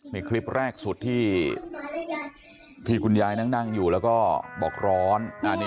นี่คลิปแรกสุดที่คุณยายนั่งอยู่แล้วก็บอกร้อน